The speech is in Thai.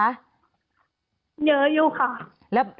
เยอะอยู่ค่ะ